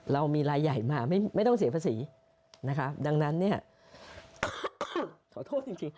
เรามีรายใหญ่มาไม่ต้องเสียภาษีนะคะดังนั้นเนี่ยขอโทษจริง